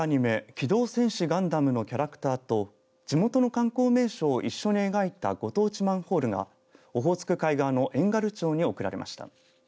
機動戦士ガンダムのキャラクターと地元の観光名所を一緒に描いたご当地マンホールがオホーツク海側の遠軽町に贈られました。